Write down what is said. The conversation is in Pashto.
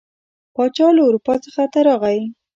پاچا له اروپا څخه ته راغی.